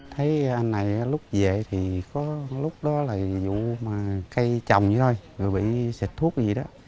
thấy anh này lúc về thì có lúc đó là vụ mà cây trồng vậy thôi rồi bị xịt thuốc gì đó